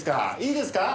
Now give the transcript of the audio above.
いいですか？